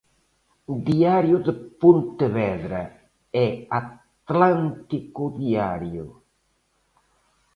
Diario de Pontevedra e Atlántico Diario.